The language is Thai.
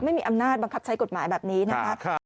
ไม่มีอำนาจบังคับใช้กฎหมายแบบนี้นะครับ